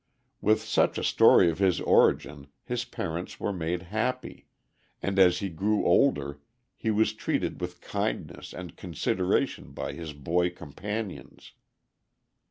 With such a story of his origin his parents were made happy, and as he grew older, he was treated with kindness and consideration by his boy companions.